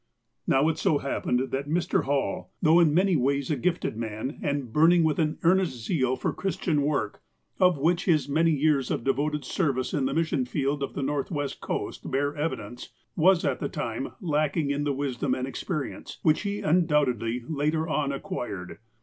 Now, it so hapi)ened, that Mr. Hall, though in many NOTABLE VISITORS 245 ways a gifted mau, and burning with an earnest zeal for Christian work, of which his many years of devoted service in the mission field of the Northwest coast bear evidence, was, at the time, lacking in the wisdom and ex perience, which he undoubtedly later on acquired.